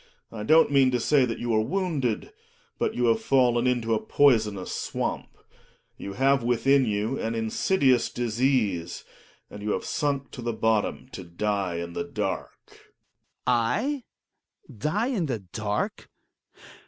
I don't mean to say that you are wounded, but you have fallen into a poisonous swamp; you have within you an insidious THE WILD DUCK. ' 77 disease, and you have sunk to the bottom to die in the dark. IC)1:;3US'^ Hjalmar. I ? Die in the dark